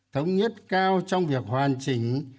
thống nhất cao trong việc hoàn chỉnh